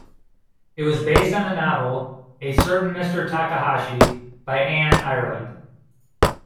It was based on the novel "A Certain Mr. Takahashi" by Ann Ireland.